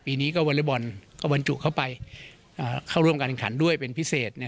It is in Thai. ปีนี้ก็วอเล็กบอลก็บรรจุเข้าไปเข้าร่วมการขันด้วยเป็นพิเศษ